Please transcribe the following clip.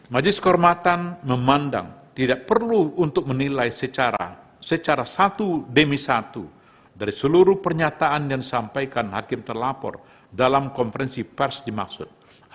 majelis kehormatan memandang tidak perlu untuk menilai secara satu demi satu dari seluruh pernyataan yang disampaikan hakim terlapor dalam konferensi pers dimaksud